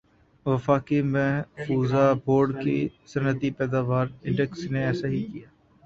وفاقی محفوظہ بورڈ کے صنعتی پیداواری انڈیکس نے ایسا ہی کِیا